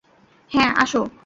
হ্যাঁ, আসো।